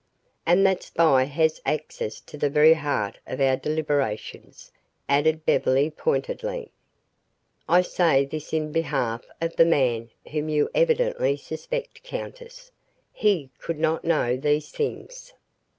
"And that spy has access to the very heart of our deliberations," added Beverly pointedly. "I say this in behalf of the man whom you evidently suspect, countess. He could not know these things."